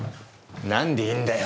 何でいるんだよ？